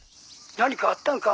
「何かあったんか？